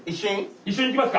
一緒にいきますか。